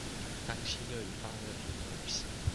當吸熱與放熱平衡時